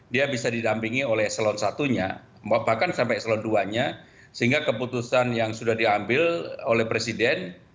dia bisa didampingi oleh eselon i nya bahkan sampai eselon dua nya sehingga keputusan yang sudah diambil oleh presiden